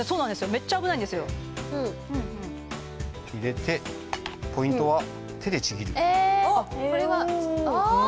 めっちゃ危ないんですよ入れてポイントは手でちぎるこれはああ！